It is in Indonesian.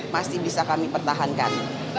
masih bisa kami pertahankan